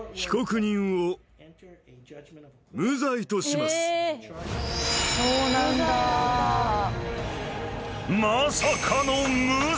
［まさかの無罪］